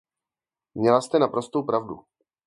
Měla jste naprostou pravdu.